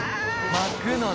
巻くのね。